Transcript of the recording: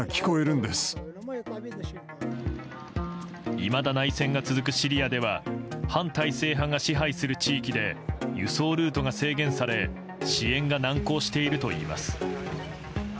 いまだ内戦が続くシリアには反体制派が支配する地域で輸送ルートが制限され支援が難航しているといいます。